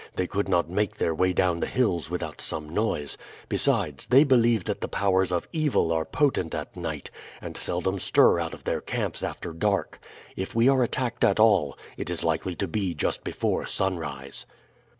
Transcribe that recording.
They could not make their way down the hills without some noise; besides, they believe the powers of evil are potent at night, and seldom stir out of their camps after dark. If we are attacked at all, it is likely to be just before sunrise."